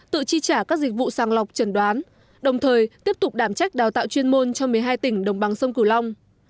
tự chi trả các dịch vụ sàng lọc trần đoán đồng thời tiếp tục đảm trách đào tạo chuyên môn cho một mươi hai tỉnh đồng bằng sông cửu long